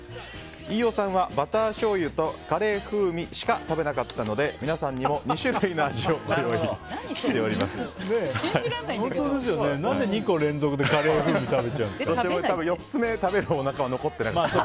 飯尾さんはバターしょうゆとカレー風味しか食べなかったので皆さんにも２種類の味を信じられないんだけど。